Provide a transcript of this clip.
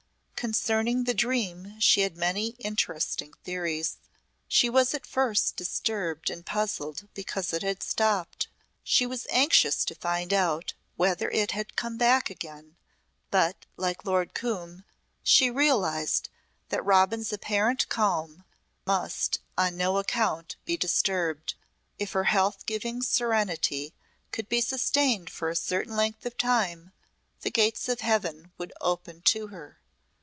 Concerning the dream she had many interesting theories. She was at first disturbed and puzzled because it had stopped. She was anxious to find out whether it had come back again, but, like Lord Coombe, she realised that Robin's apparent calm must on no account be disturbed. If her health giving serenity could be sustained for a certain length of time, the gates of Heaven would open to her.